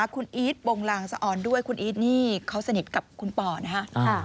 คุณอีทโปรงลางสะออนด้วยคุณอีทนี่เขาสนิทกับคุณป่อนะฮะ